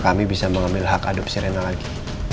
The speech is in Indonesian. kami bisa mengambil hak adopsi rena lagi